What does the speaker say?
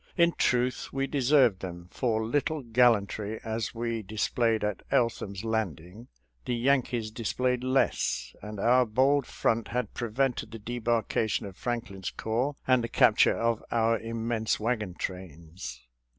In truth, we deserved them, for little gallantry as we displayed at Eltham's Landing, the Yankees displayed less, and our bold front had prevented the debarkation of Franklin's corps and the cap ture of our immense wagon trains.